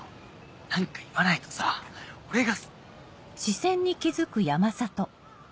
何か言わないとさ俺が。